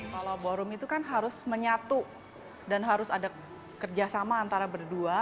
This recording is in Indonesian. kalau ballroom itu kan harus menyatu dan harus ada kerjasama antara berdua